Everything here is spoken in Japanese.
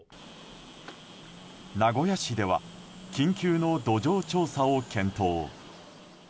名古屋市では緊急の土壌調査を検討。